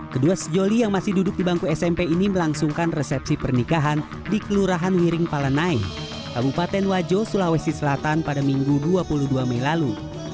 kedua sejoli yang masih duduk di bangku smp ini melangsungkan resepsi pernikahan di kelurahan wiring palenai kabupaten wajo sulawesi selatan pada minggu dua puluh dua mei lalu